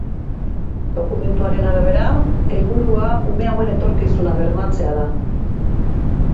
Dokumentuaren arabera, helburua, ume hauen etorkizuna bermatzea da.